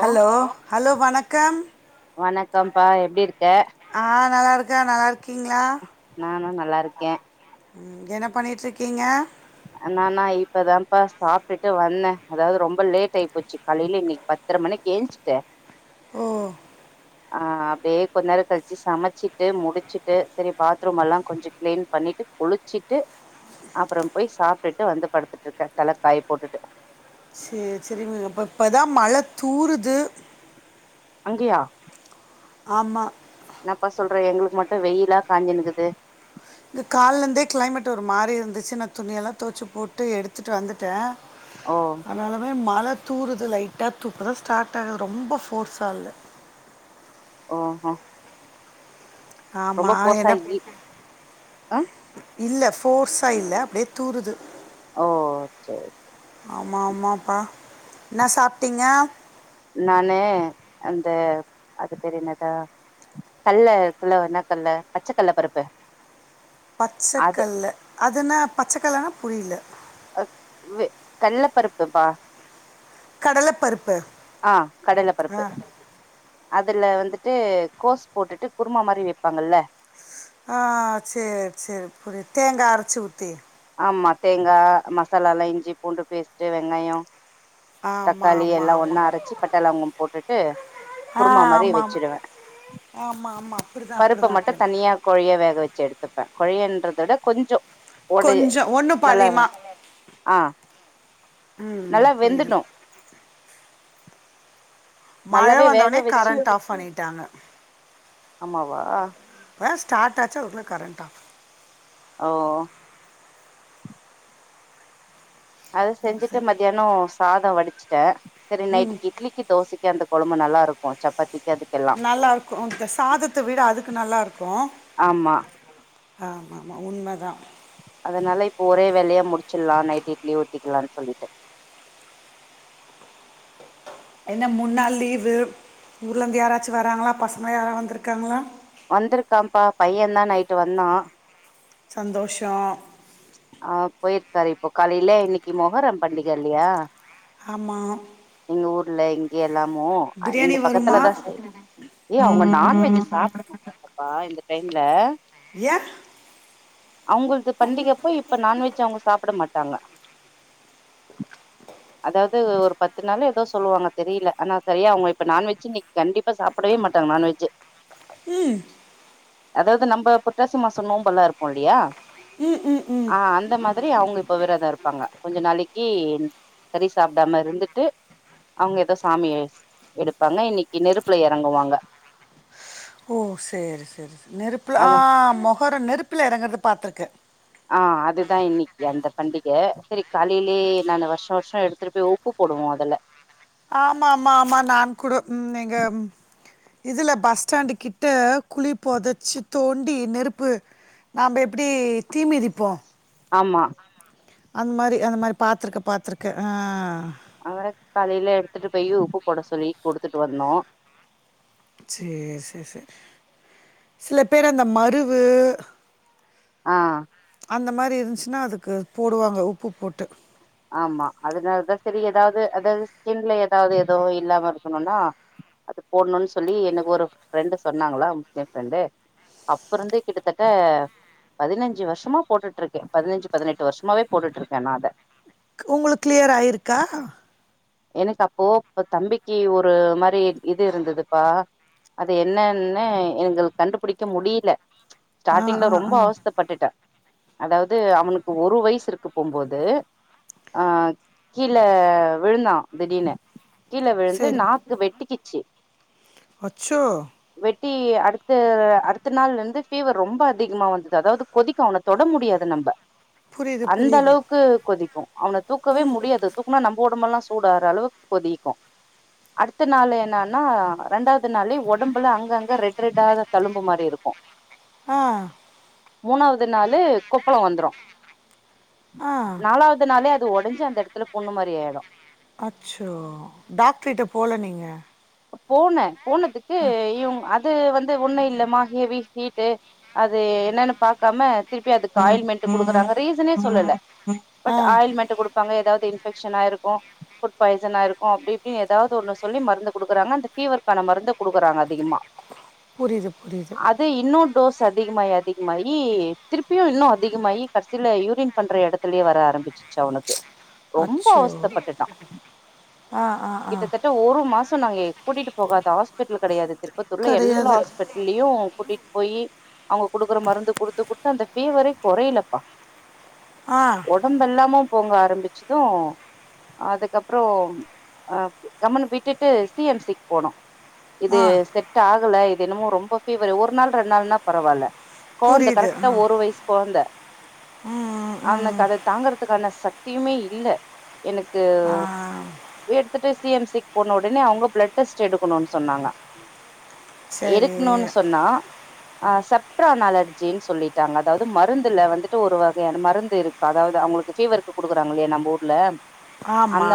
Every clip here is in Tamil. ஹலோ ஹலோ வணக்கம் வணக்கம்ப்பா எப்டி இருக்க ஆ நல்லா இருக்க நல்லா இருக்கீங்ளா நானு நல்லா இருக்கே ம் என்ன பண்ணிட்டுருக்கீங்க நானா இப்பதான்ப்பா சாப்புட்டுட்டு வந்தே அதாவது ரொம்ப லேட் ஆயி போச்சு காலையில இன்னைக்கு ப த்தர மணிக்கு என்ச்சுட்டு ஓ ஆ அப்டியே கொஞ்சநேரோ கழிச்சு சமைச்சிட்டு முடிச்சுட்டு சரி பாத்ரூம் எல்லா கொஞ்ச கிளீன் பண்ணிட்டு குளிச்சிட்டு அப்புற போய் சாப்பிட்டுட்டு வந்து படுத்துட்டு இருக்கே தலைக்காய போட்டுட்டு சேரி சேரிங்கங்க அப்ப இப்பதா மழை தூறுது அங்கயா ஆமா என்னப்பா சொல்றே எங்களுக்கு மட்டு வெயிலா காஞ்சின்னுக்குது இந்த காலேருந்தே கிளைமேட் ஒரு மாரி இருந்துச்சு நா துணியெல்லா தொவச்சி போட்டு எடுத்துட்டு வந்துட்டே ஓ அதனாலத மழ தூறுது லைட்டா து இப்புதா ஆகுது ரொம்ப ஃபோர்ஸ்ஸா இல்ல ஓஹோ ஆமா போசா என்ன பேச இ ஆ இல்ல ஃபோர்ஸா இல்ல அப்டியே தூறுது ஓ சேரி ஆமா ஆமாப்பா என்ன சாப்டீங்க நானு அந்த அது பெர் என்னது தல்லு தில்லோ என்ன கல்ல பச்சக்கல்ல பருப்பு அது பச்சக்கல்ல அதுனா பச்சக்கல்லனா புரியில்ல அக் வே கல்ல பருப்புப்பா கடலைப்பருப்பு ஆ கடல பருப்பு ஆ அதுல வந்துட்டு கோஸ் போட்டுட்டு குருமா மாரி வைப்பாங்கல்ல ஆ சேர் சேரி புரியது தேங்கா அரச்சி ஊத்தி ஆமா தேங்கா மசாலா எல்லா இஞ்சி பூண்டு பேஸ்ட்டு வெங்காயோ ஆமாம் தக்காளி ஆமாம் எல்லா ஒன்னா ஆமாம் அரைச்சி பட்டலவங்கம் போட்டுட்டு ஆ குருமா மாரி ஆமாம் ஆமாம் வச்சிருவ ஆமாம் ஆமாம் அப்படி தான் அப்படி பருப்ப தான் மட்டு அப்படி தனியா கொழய வேக வச்சி எடுத்துப்ப கொழியன்றத விட கொஞ்சோ ஓடய கொஞ்சம் ஒன்று நல்லா வ பாதியமாக ஆ ம் நல்லா புரியுது வெந்துடு மழ நல்லாவே வந்தோடனே வேக வச்சு கரண்ட் ஆஃப் பண்ணிட்டாங்க ஆமா வா இப்ப தா ஸ்டார்ட் ஆச்சி அதுக்குள்ள கரண்ட் ஆஃப் ஓ அது செஞ்சிட்டு சரி மத்தியானோ சாதம் வடிச்சிட்ட சரி நைட்டுக்கி இட்லிக் தோசைக்கு அந்த கொழம்பு நல்லா இருக்கு சப்பாத்திக்கு அதுக் நல்லா இருக்கு இந்த சாதத்த வீட அதுக்கு நல்லா இருக்கு ஆமா ஆமா ஆமா உண்ம தா அதனால இப்போ ஒரே வேலையா முடிச்சில்லா நைட் இட்லி ஊத்திக்கிலான் சொல்லிட்டு என்ன மூன் நாள் லீவு ஊர்லேருந்து யாராச்சு வராங்களா பசங்களா யாரா வந்துருக்காங்ளா வந்திருக்காப்பா பையதா நைட்டு வந்தா சந்தோஷோ ஆ போயிருக்காரு இப்போ காலேலே இன்னைக்கு மொகரம் பண்டிக இல்லையா ஆமா எங்க ஊர்ல இங்க எல்லாமோ இங்க பிரியாணி வருமா பக்கத்துல தான் சே ஏய் அவங்க நான்வெஜி சாப்ட மாட்டாங்கப்பா இந்த டைம்ல யான் அவங்கள்து பண்டிகப்போ இப்ப நான்வெஜ் அவங்க சாப்ட மாட்டாங்க அதாவது ஒரு பத்து நாள் ஏதோ சொல்லுவாங்க தெரியல ஆனா சரியா அவங்க இப்ப நான்வெஜு இன்னைக்கு கண்டிப் இப்ப சாப்டவே மாட்டாங்க நான்வெஜி உம் அதாவது நம்ம புரட்டாசி மாசோ நோம்பல்லா இருப்போ இல்லியா ம் ம் ம் ஆ அந்த மாதிரி அவங்க இப்ப விரதம் இருப்பாங்க கொஞ்ச நாளைக்கி கறி சாப்டாமா இருந்துட்டு அவங்க ஏதோ சாமி எடுப்பாங்க இன்னைக்கு நெருப்புல இறங்குவாங்க ஓ சேரி சேரி நெருப்புல ஆ அது மொகரம் நெருப்புல இறங்குறத பாத்துருக்கே ஆ அதுதா இன்னைக்கு அந்த பண்டிக சரி காலேலே நானு வர்ஷ வர்ஷ எடுத்துட்டு போய் உப்பு போடுவோ அதுல ஆமா ஆமா ஆமா நான் கூட எங்க இதுல பஸ் ஸ்டாண்டு கிட்ட குழி புதைச்சி தோண்டி நெருப்பு நாம எப்டி தீ மிதிப்போ ஆமா அந் மாரி அந்த மாரி பாத்துருக்க பாத்துருக்க ஆ அவர காலையில எடுத்துட்டு போயி உப்பு போட சொல்லி குடுத்துட்டு வரனும் சேரி சேரி சே சில பேரு அந்த மருவு ஆ அந்த மாரி இருந்துச்சினா அதுக்கு போடுவாங்க உப்பு போட்டு ஆமா அதனாலதா செரி எதாவது அதாவது ஸ்கின்ல எதாவது எதோ இல்லாம இருக்கனுன்னா அது போடனுன் சொல்லி எனக்கு ஒரு ஃப்ரெண்டு சொன்னாங்களா கே‌ ஃப்ரெண்டு அப்பருந்தே கிட்டத்தட்ட பதினஞ்சி வருஷமா போட்டுட்டு இருக்கே பதினஞ்சி பதினெட்டு வருஷமாவே போட்டுட்டு இருக்கன் நா அத உங்களுக்கு கிளியர் ஆயிருக்கா எனக்கு அப்போ இப்ப தம்பிக்கு ஒரு மாரி இது இருந்ததுப்பா அது என்னான்னு எங்களுக் கண்டுபுடிக்க முடியில ஆ ஸ்டாட்டிங்ல ஆ ரொம்ப ஆ அவஸ்த பட்டுட்ட அதாவது அவனுக்கு ஒரு வயசு இருக்க போம்போது ஆ கீழ விழுந்தான் திடீர்னு கீழ விழுந்து சரி நாக்கு வெட்டிக்கிச்சி அச்சோ வெட்டி அடுத்த அடுத்த நாள்ல இருந்து பீவர் ரொம்ப அதிகமா வந்தது அதாவது கொதிக்கும் அவன தொட முடியாது நம்ப புரியுது அந்த புரியுது அளவுக்கு கொதிக்கும் அவன தூக்கவே முடியாது தூக்கனா நம்ப ஒடம்பெல்லாம் சூடார அளவுக்கு கொதிக்கும் அடுத்த நாள் என்னன்னா ரெண்டாவது நாள்ளே ஒடம்புல அங்க அங்க ரெட் ரெட்டாத தழும்பு மாரி இருக்கும் ஆ மூணாவது நாளு கொப்பளம் வந்துரும் ஆ நாலாவது நாளே அது ஒடஞ்சி அந்த எடத்துல புண்ணு மாரி ஆய்டும் அச்சோ டாக்டர்ட்ட போல நீங்க போன போனதுக்கு இவங் அது வந்து ஒண்ணு இல்லமா ஹெவி ஹீட்டு அது என்னான்னு பாக்காம திருப்பி அதுக்கு ஆயில்மென்ட்டு குடுக்கறாங்க ரீசனே சொல்லல ஆ பட் ஆயில்மென்ட்டு குடுப் பாங்க எதாவது இன்பெக்ஷன் ஆயிருக்கும் ஃபுட் பாய்சன் ஆயிருக்கும் அப்டி இப்டின் எதாவது ஒன்ன சொல்லி மருந்த குடுக்கறாங்க அந்த பீவர்க்கான மருந்த குடுக்கறாங்க அதிகமா புரியிது புரியிது அது இன்னும் டோஸ் அதிகமாயி அதிகமாயி திருப்பியும் இன்னும் அதிகமாயி கடைசில யூரின் பண்ற எடத்துலே வர ஆரம்பிச்சிச்சி அவனுக்கு ரொம்ப அச்சோ அவஸ்த பட்டுட்டான் ஆ ஆ ஆ கிட்டத்தட்ட ஒரு மா சம் நாங்க ஏ கூட்டிட்டு போகாத ஹாஸ்பிட்டல் கேடையாது திருப்பத்தூர்ல எல்லா கிடையாது ஹாஸ்பிட் டலியும் கூட்டிட் போயி அவங்க குடுக்குற மருந்து குடுத்து குடுத்து அந்த ஃபீவரே கொறையலப்பா ஆ ஒடம்பெல்லாமு பொங்க ஆரம்பிச்சதும் அதுக்கப்புறம் ஆ கம்முனு விட்டுட் ட்டு சி எம் சி க்கு போனோ இது ஆ செட்டாகல இது என்னமோ ரொம்ப ஃபீவரு ஒரு நாள் ரெண் நாள்னா பரவால்ல கொழ்ந்த புரியுது கரெக்டா ஆ ஒரு வயசு கொழ்ந்த ம் ம் அவனுக்கு ம் அத தாங்கற துக்கான சக்தியுமே இல்ல எனக்கு ஆ எடுத்துட்டு சி எம் சி க்கு போன உடனே அவுங்க ப்ளட் டெஸ்ட் எடுக்கணுன் சொன்னாங்க சரி எடுக்கனுன் சொன்னா ஆ செப்ரான் அலர்ஜின் சொல்லிட்டாங்க அதாவ்து மருந்துல வந்துட்டு ஒரு வகையான மருந்திருக் கு அதாவ்து அவுங்களுக்கு ஃபீவர்க்கு குடுக்குறாங்கில்லையா நம்ப ஊர்ல ஆமா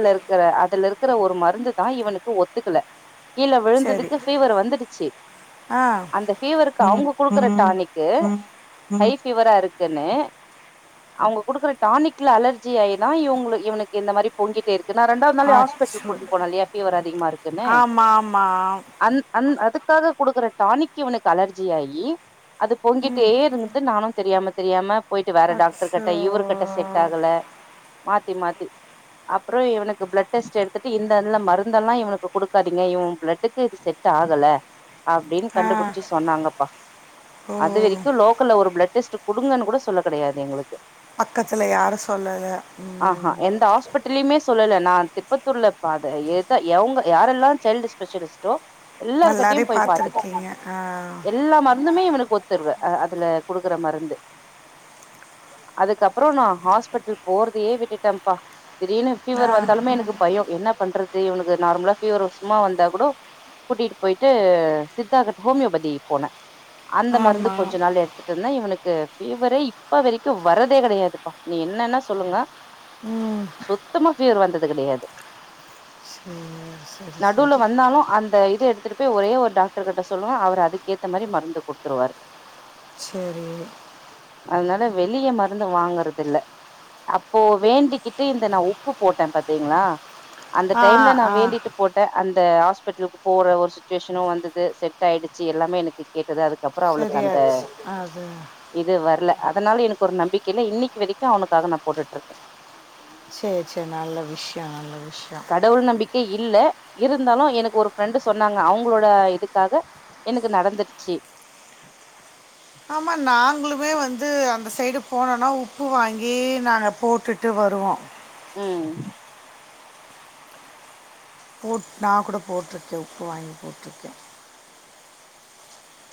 அதுல இருக்கிற அதுல இருக்கிற ஒரு மருந்து தா இவனுக்கு ஒத்துக்கல கீழ சரி விழுந்துதுக்கு ஃபீவர் வந்துடுச்சு ஆ அந்த அந்த ஃபீவருக்கு அவுங்க குடுக்குற டானிக்கு ஹை ஃபீவரா இருக்குன்னு அவுங்க குடுக்குற டானிக்ல அலர்ஜி ஆயிதா இவுங்குளு இவுனுக்கு இந்த மாரி பொங்கிட்டே இருக் கு நா ரெண்டாவ்து நாளே ஹாஸ்பிட்டல் அச்சோ கூட்டினு போன இல்லையா ஃபீவர் அதிகமா இருக்குன்னு ஆமா ஆமா அந் அந் அதுக்காக குடுக்குற டானிக் இவனுக்கு அலர்ஜி ஆகி அது பொங்கிட்டே இருந்துது நானு தெரியாம தெரியாம போயிட்டு வேற டாக்ட்ரு அச்சோ கிட்ட இவர்கிட்ட செட் ஆகல மாத்தி மாத்தி அப்றோ இவனுக்கு ப்ளட் டெஸ்ட்டு எடுத்துட்டு இந்தந்த மருந்தெல்லா இவனுக்கு குடுக்காதீங்க இவு ப்ளட் க்கு செட் ஆகல அப்டின் ஆ கண்டுபுடிச்சு சொன்னாங்கப்பா ஓ அதுவரைக்கு லோக்கல்ல ஒரு ப்ளட் டெஸ்ட்டு குடுங்கன்னு கூட சொல்ல கெடையாது எங்களுக்கு பக்கத்துல யாரு சொல்லல ம் ப்பட்லிமே சொல்லல நா திருப்பத்தூர்ல பாத எத எவுங்க யாரெல்லா சைல்டு ஸ்பெஷலிஸ்ட்டோ எல்லார்கிட்டயு எல்லாரையும் போய் பாத்துட்டே பார்த்துருக்கீங்க ஆ எல்லா மருந்துமே இவுனுக்கு ஒத்து தருவே அ அதுல குடுக்குற மருந்து அதுக்கப்றோ நா ஹாஸ்பிட்டல் போறதையே விட்டுட்டேம்பா திடீர்னு ஆ ஃபீவர் வந்தாலுமே எனக்கு பயோ என்ன பண்றது இவுனுக்கு நார்மலா ஃபீவரு சும்மா வந்தா கூட கூட்டிட்டு போயிட்டு சித்தா கிட் ஹோமியோபதி போனே அந்த மருந்து ஆமா கொஞ்ச நாள் எடுத் துட்ருந்தே இவுனுக்கு ஃபீவரே இப்ப வரைக்கு வரதே கெடையாதுப்பா நீ என்னன்ன சொல்லுங்க ம் சுத்தமா ஃபீவ்ரு வந்தது கெடையாது சரி சரி நடுவ்ல சரி வந்தாலு அந்த இது எடுத்துட்டு போய் ஒரே ஒரு டாக்டர் கிட்ட சொல்லுவ அவுரு அதுக்கேத்த மாரி மருந்து குடுத்துருவாரு சேரி அதனால வெளிய மருந்து வாங்கறதில்ல அப்போ வேண்டிக்கிட் டு இந்த நா உப்பு போட்டே பாத்தீங்ளா அந்த ஆ டைம்ல நா ஆ வேண்டிட்டு போட்டே அந்த ஹாஸ்பிட்லுக்கு போற ஒரு சிச்சுவேஷனு வந்தது செட் ஆயிடுச்சு எல்லாமே எனக்கு கேட்டது அதுக் கப்றோ அவுளுக் அந்த சரியாச்சு அது இது வர்ல அத்னால எனக்கு ஒரு நம்பிக்க இல்ல இன்னிக்கி வரிக்கு அவுனுக்காக நா போட்டுட்ருக்கே சேர் சே நல்ல விஷ்யோ நல்ல விஷ்யோ கடவுள் நம்பிக்க இல்ல இருந்தாலு எனக்கு ஒரு ஃப்ரெண்டு் சொன்னாங்க அவுங்களோட இதுக்காக எனுக்கு நடந்துர்ச்சி ஆமா நாங்குளுமே வந்து அந்த சைடு போனோனா உப்பு வாங்கி நாங்க போட்டுட்டு வருவோ ம் போட் நா கூட போட்ருக்கே உப்பு வாங்கி போட்ருக்கே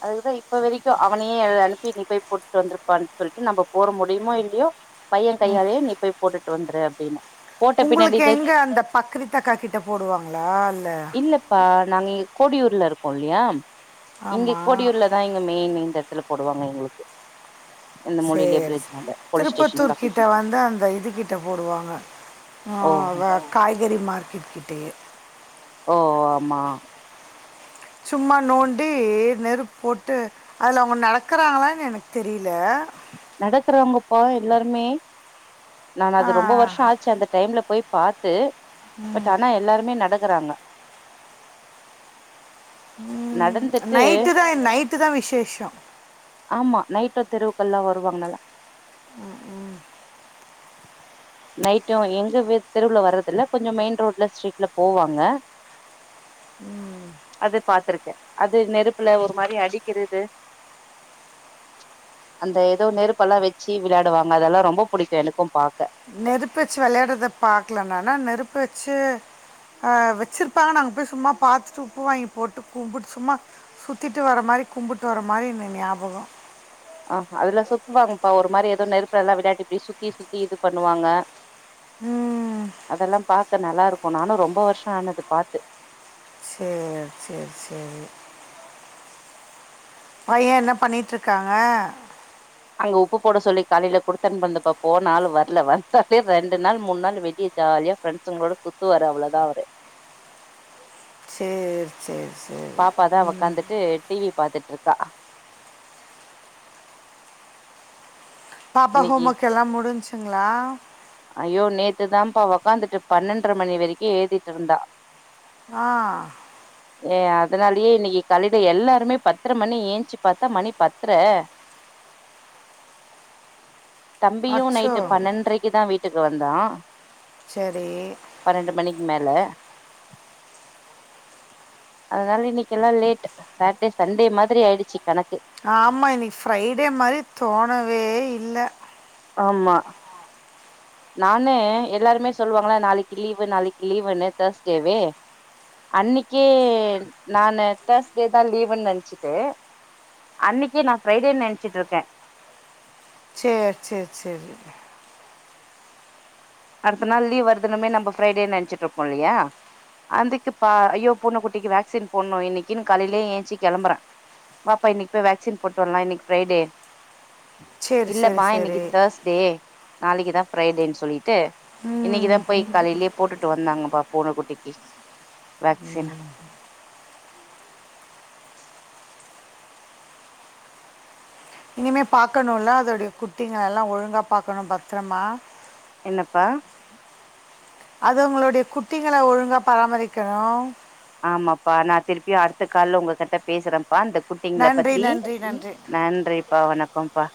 அதுக்குதா இப்ப வரிக்கு அவனயே எழ் அனுப்பி நீ பேய் போட்டுட்டு வந்துருப்பான் சொல்ட்டு நம்ப போற முடிய்மோ இல்யோ பைய கையாலே நீ போய் போட்டுட்டு வந்துரு அப்டின்ன உங்களுக்கு எங்க அந்த பக்ரித்தக்கா கிட்ட போடுவாங்ளா இல்ல ப்பா நாங்க இங்க கோடியூர்ல இருக்கோல்லியா ஆமா தா இங்க மெயின் இந்த எடத்துல போடுவாங்க எங்களுக்கு இந்த மொழியிலயே சேரி சே பிரிட்ஜாண்ட போலீஸ் ஸ்டேஷன் பக்க திருப்பத்தூர்க்கிட்ட வந்து அந்த இது கிட்ட போடுவாங்க ஆ ஓ அதா காய்கறி மார்க்கெட் கிட்டயே ஓ ஆமா சும்மா நோண்டி நெருப் போட்டு அதுல அவுங்க நடக்குறாங்களான் எனக் தெரிய்ல நடக்குறாங்கப்பா எல்லாருமே நான் அது ரொம்ப வர்ஷ ஆச்சு அந்த டைம்ல போய் பாத் து பட் ஆனா எல்லாருமே நடக்குறாங்க நடந்துட்டு நைட்டு தா எ நைட்டு தா விஷேஷோ ஆமா நைட்டோ தெருவுக்கல்லா வருவாங்கலா ம் ம் நைட்டு எங்க வெ தெருவ்ல வர்றதில்ல கொஞ்ச மெயின் ரோட்ல ஸ்ட்ரீட்ல போவாங்க அது பாத்துருக்கே அது நெருப்புல ஒரு மாரி அடிக்கிறது அந்த எதோ நெருப்பல்லா வெச்சு விள்யாடுவாங்க அதல்லா ரொம்ப புடிக்கு எனுக்கு பாக்க நெருப் வச்சு வெள்யாட்றத பாக்ல நான நெருப்பு வெச்சு அ வெச்சிர்ப்பாங்க நாங்க போய் சும்மா பாத்துட்டு உப்பு வாங்கி போட்டு கும்புட் சும்மா சுத்திட்டு வர மாரி கும்புட்டு வர மாரி இன்னு ஞாபகோ ஆஹ அதுல சுத்துவாங்ப்பா ஒரு மாரி எதோ நெருப்புலல்லா விடாட்டி இப்டி சுத்தி சுத்தி இது பண்ணுவாங்க ம் அதல்லா பாக்க நல்லாருக்கு நானு ரொம்ப வர்ஷ ஆனது பாத்து சேர் சேர் சேரி பைய என்ன பண்ணிட்ருக்காங்க அங்க உப்பு போட சொல்லி காலைல குடுத்தன்ப் வந்தப்ப போன ஆள் வர்ல வந்தாலே ரெண்டு நாள் மூண் நாள் வெடிய ஜால்யா ஃப்ரெண்ஸுங்ளோட சுத்துவாரு அவ்ளோதா அவுரு சேர் சேர் சேரி ம் ஏ டிவி பாத்துட்ருக்கா பாப்பா ஹோம் இன்னைக்கி ஒர்க் எல்லா முடிஞ்ச்சுங்ளா ஐயோ நேத்து தாம்ப்பா ஒக்காந்துட்டு பன்னன்ற மணி வரிக்கு ஏழ்திட் இருந்தா ஆ [inaudible] ஏ அதனால்யே இன்னிக்கி காலில எல்லாருமே பத்ர மணி ஏன்ச்சி பாத்தா மணி பத்ர [inaudible] தம்பியு அச்சோ நைட்டு பன்னன்ரைக்கு தா வீட்டுக்கு வந்தா சரி பன்னன்டு மணிக் மேல அதனால இன்னிக்கி எல்லா லேட் சாட்டே சண்டே மாதுரி ஆயிடுச்சு கணக்கு ஆமா இன்னிக்கி ஃப்ரைடே மாரி தோணவே இல்ல ஆமா நானு எல்லாருமே சொல்லுவாங்கள்ள நாளைக்கு லீவு நாளைக்கு லீவுன்னு தேர்ஸ்டேவே அன்னைக்கு நானு தேர்ஸ்டே தா லீவுன் நன்ச்சிட்டு அன்னைக்கு நா ஃப்ரைடேன் நெனச்சிட்டு இருக்கே சேர் சேர் சேரி அடுத்த நாள் லீவ் வருதுனமே நம்ம ஃப்ரைடேன் நெனச்சுட்ருப்போ இல்லையா அந்துக்கு பா ஐயோ பூன குட்டிக்கு வேக்சின் போட்ணு இன்னிக்குன் காலைலயே ஏன்ச்சி கெளம்புறே வாப்பா இன்னைக்கு போய் வேக்சின் போட்டு வர்லா இன்னிக்கு ஃப்ரைடே சரி சரி இல்லம்மா இன்னிக்கு சரி தேர்ஸ் டே நாளைக்கு தா ஃப்ரைடேன் சொல்லிட் டு இன்னிக்கு ம் தா போய் காலையிலயே போட்டுட்டு வந்தாங்கப்பா பூன குட்டிக்கு வேக்சின் இனிமே பாக்கணுல்ல அதோட்ய குட்டிங்ள எல்லா ஒழுங்காக பாக்கணு பத்துரமா என்னப்பா அது உங்ளோடைய குட்டிங்கள ஒழுங்காக பராமரிக்கணு ஆமாப்பா நா திருப்பியு அடுத்த கால்ல உங்ககட்ட பேசுறம் ப்பா இந்த குட்டிங்ள நன்றி பத்தி நன்றி நன்றி நன்றிப்பா வணக்கம்ப்பா